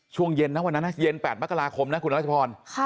ช่วงเย็นนะวันนั้นนะเย็น๘มกราคมนะคุณรัชพร